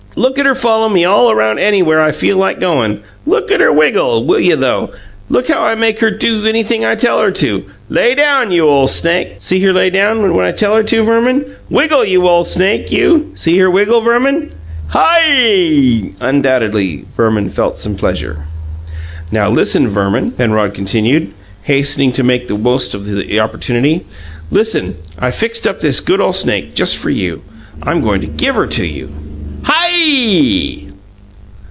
Look at her follow me all round anywhere I feel like goin'! Look at her wiggle, will you, though? Look how I make her do anything I tell her to. Lay down, you ole snake, you See her lay down when I tell her to, Verman? Wiggle, you ole snake, you! See her wiggle, Verman?" "Hi!" Undoubtedly Verman felt some pleasure. "Now, listen, Verman!" Penrod continued, hastening to make the most of the opportunity. "Listen! I fixed up this good ole snake just for you. I'm goin' to give her to you." "HI!"